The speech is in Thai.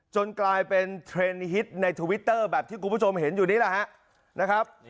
กลายเป็นเทรนด์ฮิตในทวิตเตอร์แบบที่คุณผู้ชมเห็นอยู่นี่แหละฮะนะครับ